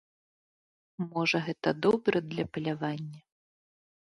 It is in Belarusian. Можа, гэта добра для палявання?